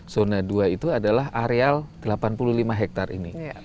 zona dua itu adalah areal delapan puluh lima hektare ini